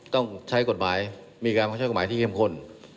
ต้องใช้กฎหมายมีการมาใช้กฎหมายที่เข้มข้น